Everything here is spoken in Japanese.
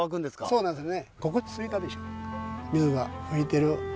そうなんです。